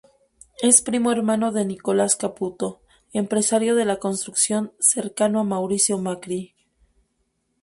Es primo hermano de Nicolás Caputo, empresario de la construcción cercano a Mauricio Macri.